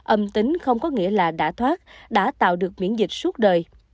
âm tính không có nghĩa là đã thoát đã tạo được miễn dịch suốt đời